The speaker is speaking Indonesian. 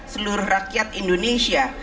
seluruh rakyat indonesia